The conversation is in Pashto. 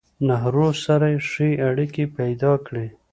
نهرو سره يې ښې اړيکې پېدا کړې